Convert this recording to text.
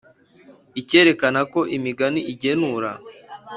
Ikerekana ko imigani igenura